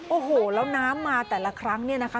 โอ้โหแล้วน้ำมาแต่ละครั้งเนี่ยนะคะ